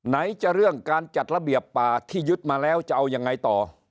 ไหนจะเรื่องการจัดระเบียบป่าที่ยึดมาแล้วจะเอายังไงต่อ